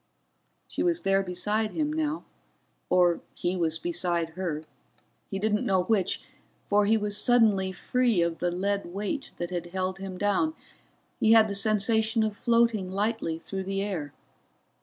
She was there beside him now or he was beside her he didn't know which, for he was suddenly free of the great weight that held him down, he had the sensation of floating lightly through the air.